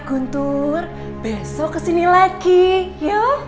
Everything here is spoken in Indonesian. guntur belum ganti baju